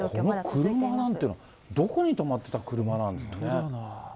これ、この車なんて、どこに止まってた車なんですかね。